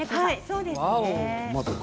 そうですね。